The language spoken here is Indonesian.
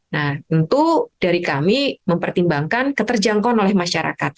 nah tentu dari kami mempertimbangkan keterjangkauan oleh masyarakat